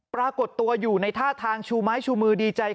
ปรากฏตัวอยู่ในท่าทางชูไม้ชูมือดีใจ